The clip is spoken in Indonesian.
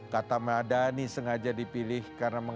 kata madani sengaja dipilih untuk menjaga keamanan mereka